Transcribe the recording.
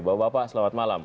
bapak bapak selamat malam